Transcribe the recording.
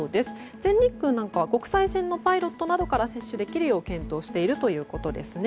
全日空は国際線のパイロットから接種できるよう検討しているということです。